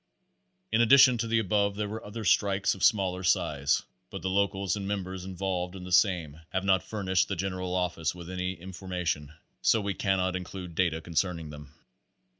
In addition to the above there were other strikes of smaller size, but the locals and members involved in the same have not furnished the General Office with any in formation, so we cannot include data concerning them.